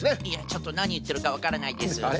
いやちょっとなにいってるかわからないです。